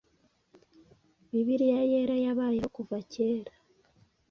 bibliya yera yabayeho kuva kera